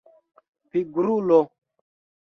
pigrulo